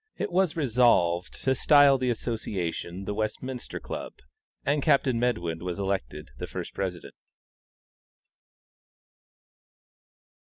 It was resolved to style the association THE WESTMINSTER CLUB, and Captain Medwin was elected the first president.